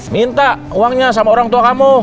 minta uangnya sama orang tua kamu